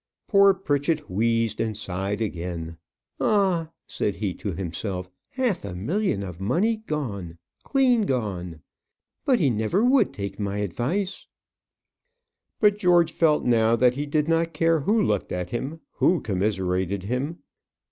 Poor Pritchett wheezed and sighed again. "Ah!" said he to himself. "Half a million of money gone; clean gone! But he never would take my advice!" But George felt now that he did not care who looked at him, who commiserated him.